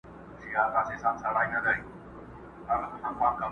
د مېږیانو کور له غمه نه خلاصېږي!!